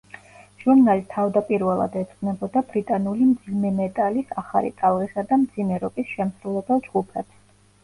ჟურნალი თავდაპირველად ეძღვნებოდა ბრიტანული მძიმე მეტალის ახალი ტალღისა და მძიმე როკის შემსრულებელ ჯგუფებს.